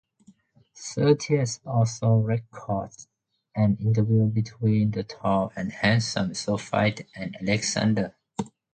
Curtius also records an interview between the tall and handsome Sophytes and Alexander.